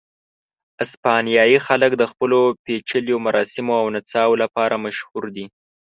اسپانیایي خلک د خپلو پېچلیو مراسمو او نڅاو لپاره مشهور دي.